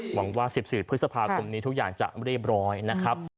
หวังว่า๑๔พฤษภาคมนี้ทุกอย่างจะเรียบร้อยนะครับ